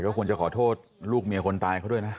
ก็ควรจะขอโทษลูกเมียคนตายเขาด้วยนะ